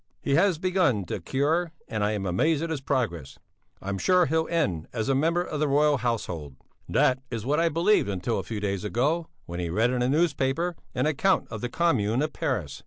He has begun the cure and I am amazed at his progress. I'm sure he'll end as a member of the Royal Household. That is what I believed until a few days ago when he read in a paper an account of the Commune at Paris.